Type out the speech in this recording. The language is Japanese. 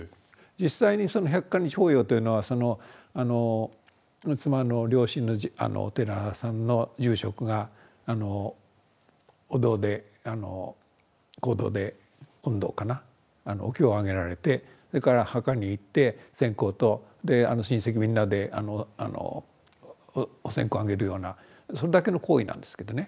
実際にその百箇日法要というのはその妻の両親のお寺さんの住職がお堂で講堂で本堂かなお経を上げられてそれから墓に行って線香と親戚みんなでお線香を上げるようなそれだけの行為なんですけどね。